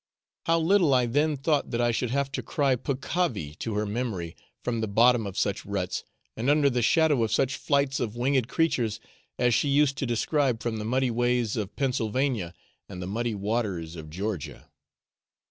how little I then thought that I should have to cry peccavi to her memory from the bottom of such ruts, and under the shadow of such flights of winged creatures as she used to describe from the muddy ways of Pennsylvania and the muddy waters of Georgia!